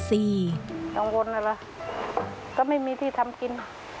ต่างคนก็ไม่มีที่ทำกิน